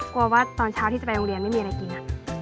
ว่าตอนเช้าที่จะไปโรงเรียนไม่มีอะไรกิน